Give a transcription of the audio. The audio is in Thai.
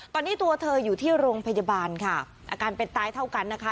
ตอนนี้ตัวเธออยู่ที่โรงพยาบาลค่ะอาการเป็นตายเท่ากันนะคะ